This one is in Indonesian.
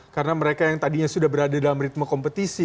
karena mereka yang tadinya sudah berada dalam ritme kompetisi